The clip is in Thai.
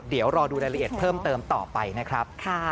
เดี๋ยวรอดูรายละเอียดเพิ่มเติมต่อไปนะครับ